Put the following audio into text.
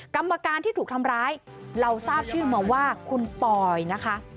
กรรมการที่ถูกทำร้ายเราทราบชื่อมาว่าคุณปอยนะคะ